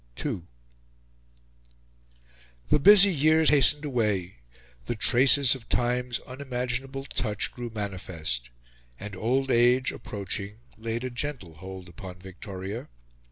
II The busy years hastened away; the traces of Time's unimaginable touch grew manifest; and old age, approaching, laid a gentle hold upon Victoria.